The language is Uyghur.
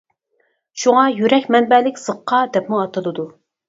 شۇڭا يۈرەك مەنبەلىك زىققا دەپمۇ ئاتىلىدۇ.